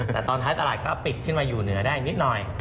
แต่ตอนท้ายตลาดก็ปิดขึ้นมาอยู่เหนือได้นิดหน่อย